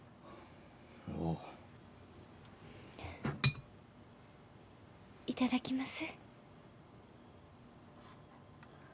おおいただきます